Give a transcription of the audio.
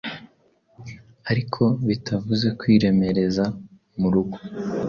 ariko bitavuze kwiremereza murugo